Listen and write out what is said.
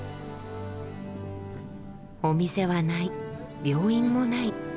お店はない病院もない。